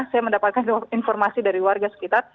saya mendapatkan informasi dari warga sekitar